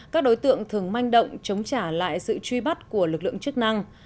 các đối tượng thường manh động chống trả lại sự truy bắt của lực lượng chức năng